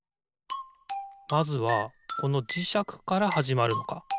まずはこのじしゃくからはじまるのか。